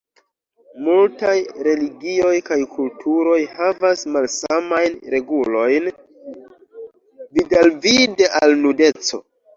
Multaj religioj kaj kulturoj havas malsamajn regulojn vidalvide al nudeco.